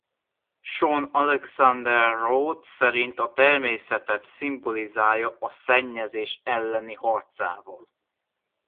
Sean Alexander Rhoads szerint a természetet szimbolizálja a szennyezés elleni harcával.